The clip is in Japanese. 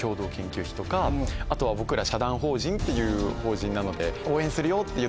あとは僕ら社団法人っていう法人なので。